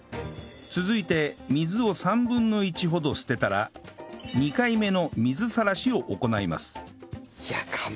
続いて水を３分の１ほど捨てたら２回目の水さらしを行います